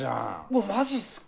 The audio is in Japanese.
うわマジっすか。